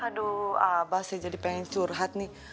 aduh abah saya jadi pengen curhat nih